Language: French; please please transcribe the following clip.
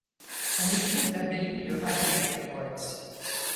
On y trouve l'abbaye de Heiligenkreuz.